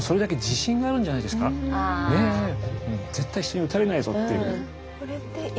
絶対人に討たれないぞっていう。